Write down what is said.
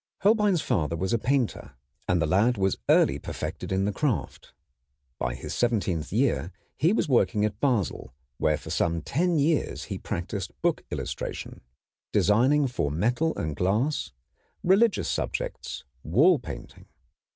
Holbein's father was a painter, and the lad was early perfected in the craft. By his seventeenth year he was working at Basel, where for some ten years he practised book illustration, designing for metal and glass, religious subjects, wall painting.